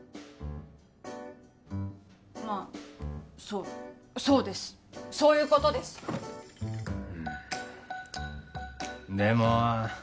まあそうそうですそういうことですうん